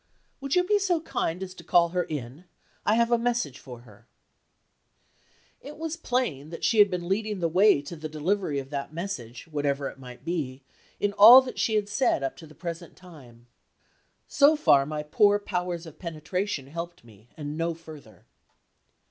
"Will you be so kind as to call her in? I have a message for her." It was plain that she had been leading the way to the delivery of that message, whatever it might be, in all that she had said up to the present time. So far my poor powers of penetration helped me, and no further.